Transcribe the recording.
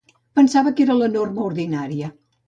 Pensava que era la norma ordinària.